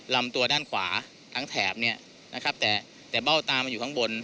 ลำตัวด้านขวาทั้งแถบเนี่ยนะครับแต่เบ้าตามันอยู่ข้างบน